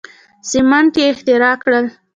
سیمنټ یې اختراع کړل.